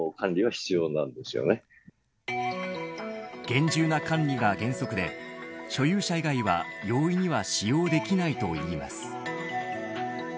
厳重な管理が原則で所有者以外は容易には使用できないといいます。